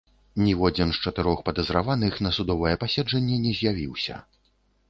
Ніводзін з чатырох падазраваных на судовае паседжанне не з'явіўся.